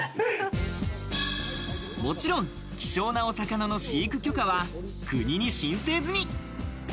もちろん希少なお魚の飼育許可は、国に申請済み。